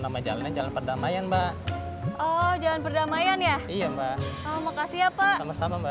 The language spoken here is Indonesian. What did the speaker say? nama jalannya jalan perdamaian mbak oh jalan perdamaian ya iya mbak makasih apa sama sama mbak